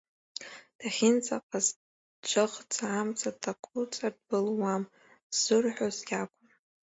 Дахьынӡаҟаз дџыхӡа, амца дакәуҵар дбылуам ззырҳәоз иакәын.